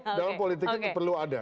tentu dalam politiknya perlu ada